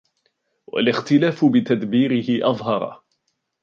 وَالِاخْتِلَافُ بِتَدْبِيرِهِ أَظْهَرَ